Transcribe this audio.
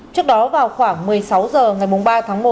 trước đó vào khoảng một mươi sáu h ngày ba tháng một